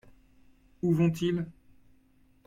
Où vont-ils ?